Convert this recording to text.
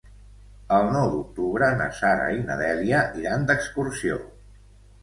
El nou d'octubre na Sara i na Dèlia iran d'excursió.